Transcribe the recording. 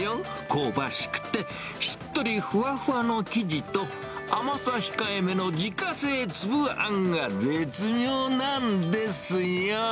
香ばしくて、しっとりふわふわの生地と、甘さ控えめの自家製つぶあんが絶妙なんですよ。